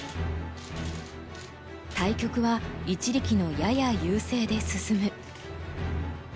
対局は一力のやや優勢で進む。